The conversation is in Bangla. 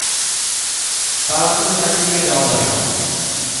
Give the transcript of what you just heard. তালা খুলে তাকে নিয়ে যাওয়া যাবে না।